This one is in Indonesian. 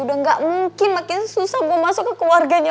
udah gak mungkin makin susah gue masuk ke keluarganya